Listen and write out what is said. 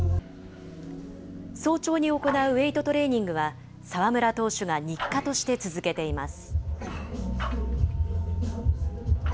早朝に行うウエイトトレーニングは、澤村投手が日課として続けています。